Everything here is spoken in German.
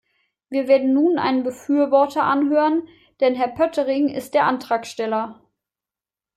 Wir werden nun einen Befürworter anhören, denn Herr Poettering ist der Antragsteller.